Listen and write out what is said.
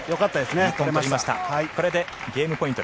日本のゲームポイント。